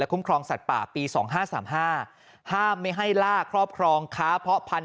คุ้มครองสัตว์ป่าปี๒๕๓๕ห้ามไม่ให้ล่าครอบครองค้าเพาะพันธ